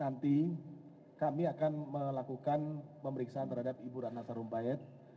nanti kami akan melakukan pemeriksaan terhadap ibu rana tarumpayat